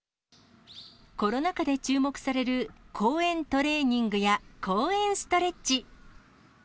コロナ禍で注目される、公園トレーニングや公園ストレッチ。